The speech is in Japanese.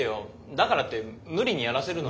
だからって無理にやらせるのは。